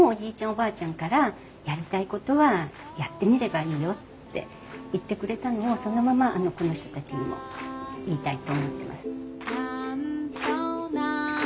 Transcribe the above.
おばあちゃんからやりたいことはやってみればいいよって言ってくれたのをそのままこの人たちにも言いたいと思ってます。